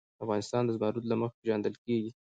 افغانستان د زمرد له مخې پېژندل کېږي.